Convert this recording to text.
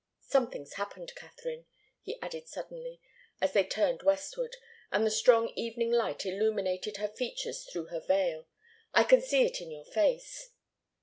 Something's happened, Katharine," he added suddenly, as they turned westward, and the strong evening light illuminated her features through her veil. "I can see it in your face."